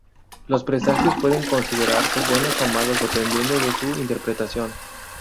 Los presagios pueden considerarse buenos o malos dependiendo de su interpretación.